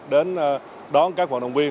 đến đón các vận động viên